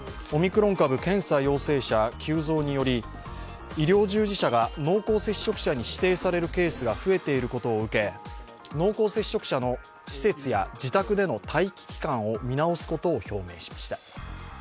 オミクロン株検査陽性者急増により、医療従事者が濃厚接触者に指定されるケースが増えていることを受け、濃厚接触者の施設や自宅での待機期間を見直すことを表明しました。